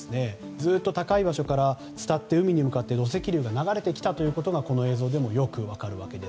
ずっと高い場所から海に向かって土石流が流れてきたことがこの映像からもよく分かります。